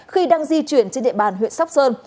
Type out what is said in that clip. khi đang di chuyển trên địa bàn huyện sóc sơn